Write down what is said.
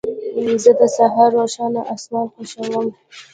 زه د سهار روښانه اسمان خوښوم.